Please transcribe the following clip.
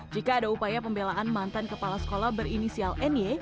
jika ada upaya pembelaan mantan kepala sekolah berinisial ny